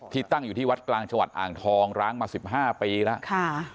ที่ตั้งอยู่ที่วัดกลางชาวัดอ่างทองร้างมาสิบห้าปีแล้ว